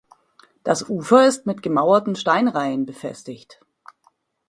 Das Ufer ist mit gemauerten Steinreihen befestigt.